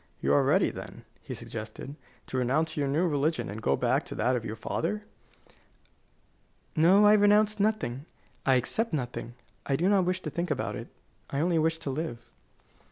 "You are ready, then," he suggested, "to renounce your new religion and go back to that of your father?" "No; I renounce nothing, I accept nothing. I do not wish to think about it. I only wish to live."